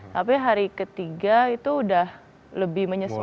tapi hari ketiga itu udah lebih menyesuaikan